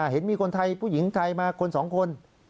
เห็นมีคนไทยผู้หญิงไทยมาคนสองคน